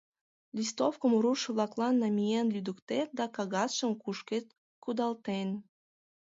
Листовкым руш-влаклан намиен лӱдыктет да кагазшым кушкед кудалтен.